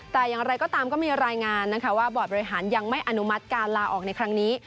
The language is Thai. แต่อย่างไรก็ตามก็มีรายงานนะคะว่าบอร์ดบริหารยังไม่อนุมัติการลาออกในครั้งนี้